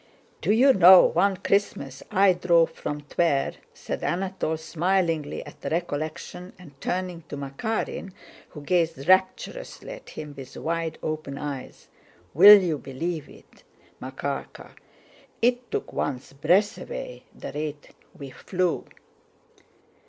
"Do you know, one Christmas I drove from Tver," said Anatole, smilingly at the recollection and turning to Makárin who gazed rapturously at him with wide open eyes. "Will you believe it, Makárka, it took one's breath away, the rate we flew.